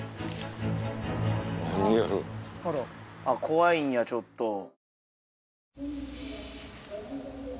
あっ怖いんやちょっと。